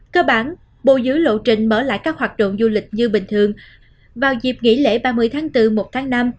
cơ bản bồi giữ lộ trình mở lại các hoạt động du lịch như bình thường vào dịp nghỉ lễ ba mươi tháng bốn một tháng năm